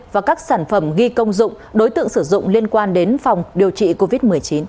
và các sản phẩm ghi công dụng đối tượng sử dụng liên quan đến phòng điều trị covid một mươi chín